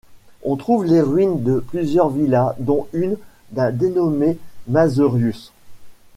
On trouve les ruines de plusieurs villas dont une d'un dénommé Mazerius.